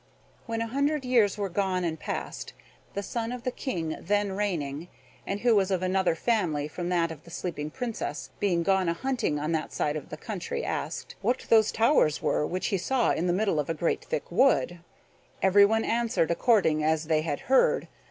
When a hundred years were gone and passed the son of the King then reigning, and who was of another family from that of the sleeping Princess, being gone a hunting on that side of the country, asked: What those towers were which he saw in the middle of a great thick wood? Everyone answered according as they had heard.